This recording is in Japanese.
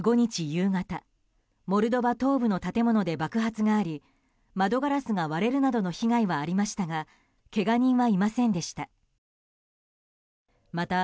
夕方モルドバ東部の建物で爆発があり窓ガラスが割れるなどの被害はありましたがけが人はいませんでした。